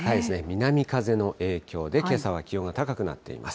南風の影響で、けさは気温が高くなっています。